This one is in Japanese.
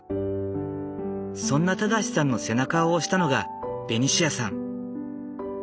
そんな正さんの背中を押したのがベニシアさん。